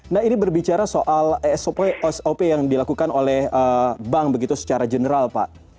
nah ini berbicara soal sop yang dilakukan oleh bank begitu secara general pak